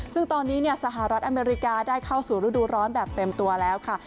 ซึ่งตอนนี้สหรัฐอเมริกาได้เข้าสู่ฤดูร้อนแบบเต็มตัวแล้วค่ะ